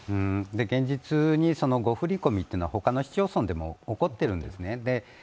現実に、誤振込というのは他の市町村でも起こっているんですね。